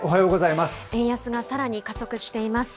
円安がさらに加速しています。